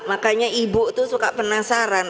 makanya ibu tuh suka penasaran